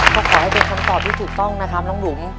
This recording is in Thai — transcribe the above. ก็ขอให้เป็นคำตอบที่ถูกต้องนะครับน้องบุ๋ม